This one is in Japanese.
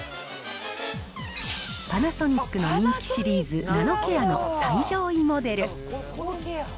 パナソニックの人気シリーズ、ナノケアの最上位モデル。